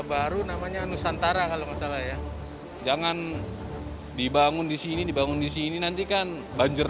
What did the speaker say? baru namanya nusantara kalau masalah ya jangan dibangun di sini dibangun di sini nantikan banjir